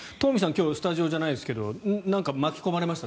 今日、スタジオじゃないですけどなんか巻き込まれました？